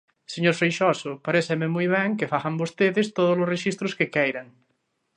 Señor Freixoso, paréceme moi ben que fagan vostedes todos os rexistros que queiran.